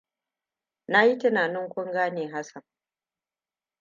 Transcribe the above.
Na yi tunanin kun gane Hassan.